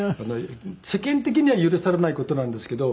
世間的には許されない事なんですけど。